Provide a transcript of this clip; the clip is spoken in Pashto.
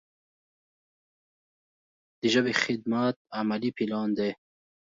د ژبې خدمت عملي پلان دی.